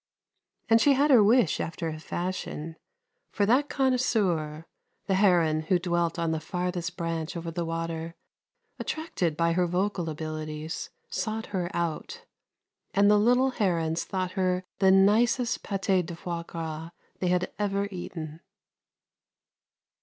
And she had her wish after a fashion, for that connoisseur, the heron who dwelt on the farthest branch over the water, attracted by her vocal abilities, sought her out, and the little herons thought her the nicest paté de foie gras they had ever eaten.